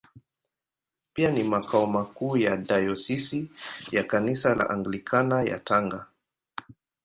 Pia ni makao makuu ya Dayosisi ya Kanisa la Anglikana ya Tanga.